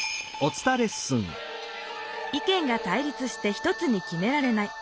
意見が対立して１つにきめられない。